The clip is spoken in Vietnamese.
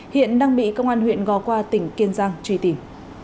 hiện đang bị công an huyện gò qua tỉnh kiên giang truy tìm